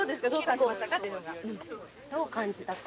どう感じたか。